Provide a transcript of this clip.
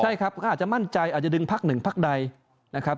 ใช่ครับก็อาจจะมั่นใจอาจจะดึงพักหนึ่งพักใดนะครับ